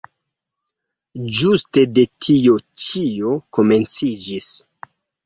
Ĝuste de tio ĉio komenciĝis.